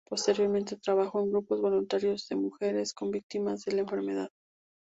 Posteriormente, trabajó en grupos voluntarios de mujeres con víctimas de la enfermedad.